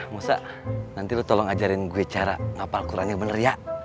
musa nanti lo tolong ajarin gue cara ngapal qurannya bener ya